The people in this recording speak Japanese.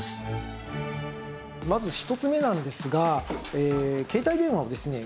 まず１つ目なんですが携帯電話をですね